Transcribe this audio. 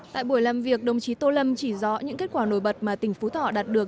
tại buổi làm việc đồng chí tô lâm chỉ rõ những kết quả nổi bật mà tỉnh phú thọ đạt được